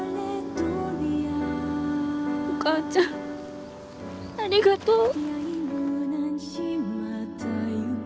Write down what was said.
お母ちゃんありがとう。